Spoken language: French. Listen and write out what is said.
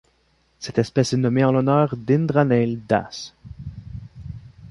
Cette espèce est nommée en l'honneur d'Indraneil Das.